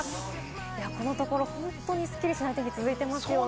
このところ、ホントにすっきりしない天気が続いていますよね。